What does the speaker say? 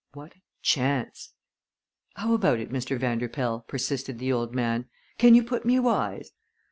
What a chance! "How about it, Mr. Vanderpoel," persisted the old man; "can you put me wise?"